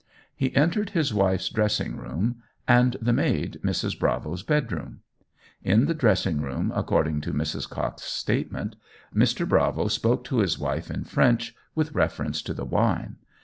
He entered his wife's dressing room, and the maid Mrs. Bravo's bedroom. In the dressing room, according to Mrs. Cox's statement, Mr. Bravo spoke to his wife in French, with reference to the wine.